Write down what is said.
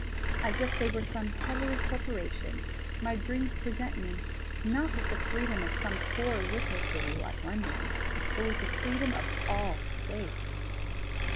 As if they were some heavenly corporation, my dreams present me, not with the freedom of some poor little city like London, but with the freedom of all space."